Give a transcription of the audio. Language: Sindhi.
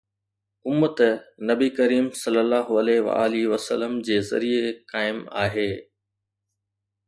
امت نبي ڪريم ﷺ جي ذريعي قائم آهي.